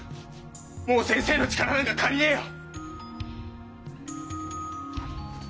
もう先生の力なんか借りねえよ！